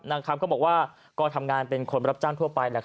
คำก็บอกว่าก็ทำงานเป็นคนรับจ้างทั่วไป